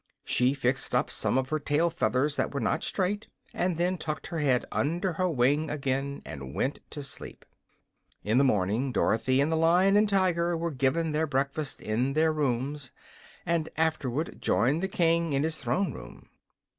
She fixed up some of her tail feathers that were not straight, and then tucked her head under her wing again and went to sleep. In the morning Dorothy and the Lion and Tiger were given their breakfast in their rooms, and afterward joined the King in his throne room.